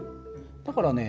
だからね